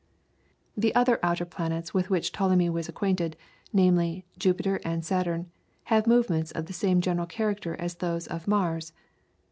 The other outer planets with which Ptolemy was acquainted, namely, Jupiter and Saturn, had movements of the same general character as those of Mars.